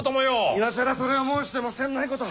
今更それを申しても詮ないこと。